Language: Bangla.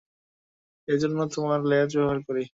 এ জন্যই আমরা লেজ ব্যবহার করি।